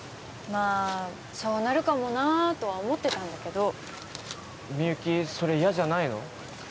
まあそうなるかもなとは思ってたんだけどみゆきそれ嫌じゃないの？